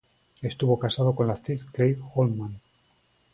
Estuvo casado con la actriz Clare Holman.